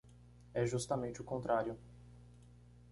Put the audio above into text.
É justamente o contrário.